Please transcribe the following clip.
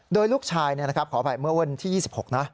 โดยลูกชายขออภัยเมื่อวันที่๒๖นะ